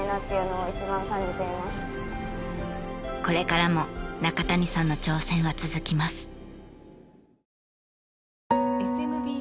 これからも中谷さんの挑戦は続きます。